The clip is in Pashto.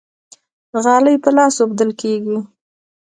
غالۍ په لاس اوبدل کیږي.